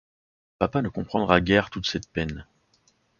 Papa ne comprendra guère toute cette peine.